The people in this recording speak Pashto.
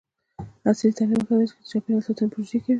عصري تعلیم مهم دی ځکه چې د چاپیریال ساتنې پروژې کوي.